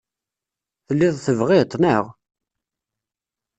Telliḍ tebɣiḍ-t, naɣ?